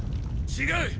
違う！